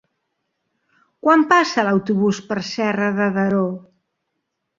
Quan passa l'autobús per Serra de Daró?